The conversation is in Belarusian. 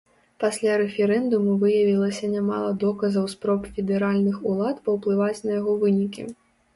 Пасля рэферэндуму выявілася нямала доказаў спроб федэральных улад паўплываць на яго вынікі.